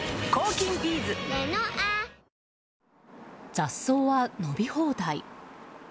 雑草は伸び放題。